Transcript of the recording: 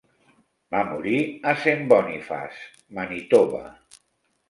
Va morir a Saint Boniface, Manitoba.